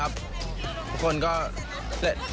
ก็คักษะดีนะครับ